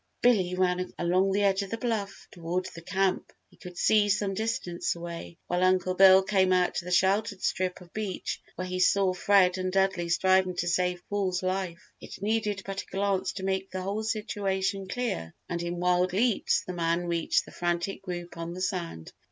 Billy ran along the edge of the bluff toward the camp he could see some distance away, while Uncle Bill came out to the sheltered strip of beach where he saw Fred and Dudley striving to save Paul's life. It needed but a glance to make the whole situation clear, and in wild leaps the man reached the frantic group on the sand.